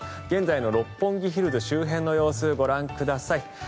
現在の六本木ヒルズ周辺の様子ご覧ください。